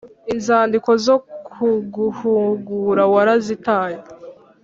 Inzandiko zo kuguhugura warazitaye